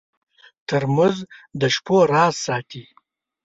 ترموز د شپو راز ساتي.